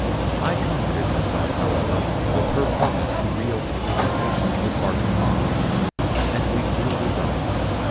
I comforted myself, however, with her promise to re open communications with Bartram Haugh, and we grew resigned.